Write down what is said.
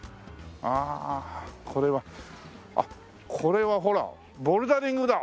ああこれはあっこれはほらボルダリングだ！